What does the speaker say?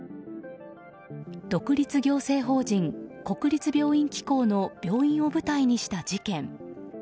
独立行政法人、国立病院機構の病院を舞台にした事件。